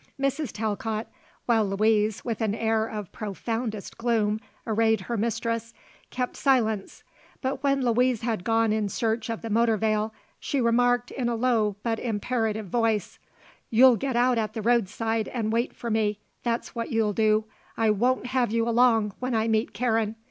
Mrs. Talcott, while Louise with an air of profoundest gloom arrayed her mistress, kept silence, but when Louise had gone in search of the motor veil she remarked in a low but imperative voice: "You'll get out at the roadside and wait for me, that's what you'll do. I won't have you along when I meet Karen.